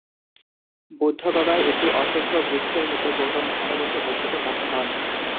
বুদ্ধগয়ায় একটি অশ্বত্থ বৃক্ষের নিচে গৌতম ধ্যানে বসে বুদ্ধত্ব প্রাপ্ত হন।